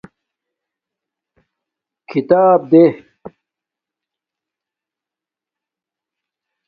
کھیتاپ دے